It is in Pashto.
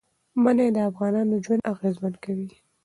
منی د افغانانو ژوند اغېزمن کوي.